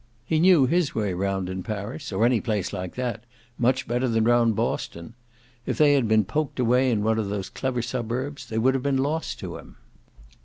He knew his way round in Paris or any place like that much better than round Boston; if they had been poked away in one of those clever suburbs they would have been lost to him.